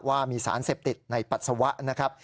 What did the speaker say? ว่ามีสารเสพติดในปัสสาวะนะครับ